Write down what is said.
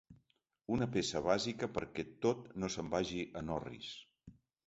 Una peça bàsica perquè tot no se'n vagi en orris.